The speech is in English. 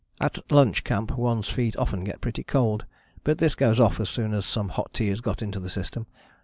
At lunch camp one's feet often get pretty cold, but this goes off as soon as some hot tea is got into the system.